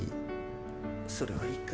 それはいいか。